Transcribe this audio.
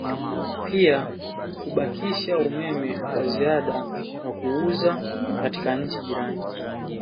Pia kubakisha umeme wa ziada na kuuza katika nchi jirani